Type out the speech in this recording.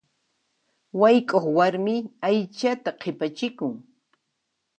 Wayk'uq warmi aychata qhipachikun.